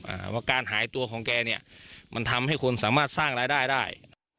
ว่าการหายตัวของแกเนี่ยมันทำให้คนสามารถสร้างรายได้ได้